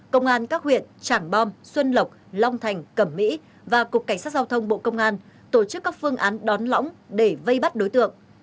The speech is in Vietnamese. công an các huyện trảng bom xuân lọc long thành cẩm mỹ và cục cảnh sát giao thông bộ công an tổ chức các phương án đón lõng để vây bắt đối tượng